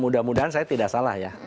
mudah mudahan saya tidak salah ya